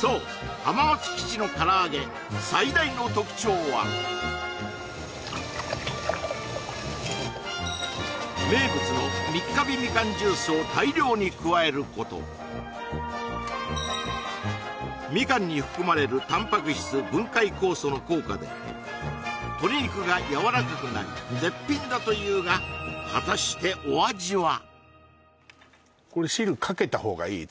そう浜松基地の空上げ最大の特徴は名物の三ヶ日みかんジュースを大量に加えることみかんに含まれるタンパク質分解酵素の効果で鶏肉がやわらかくなり絶品だというが果たしてお味はこれ汁かけた方がいい？